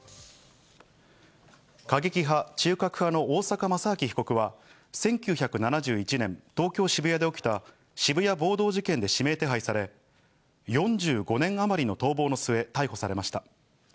過激派「中核派」の大坂正明被告は１９７１年、東京・渋谷で起きた渋谷暴動事件で指名手配され、４５年あまりの逃亡の末、逮捕されました。